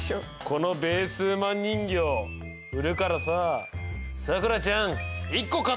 このベー数マン人形売るからさあさくらちゃん１個買ってくんな！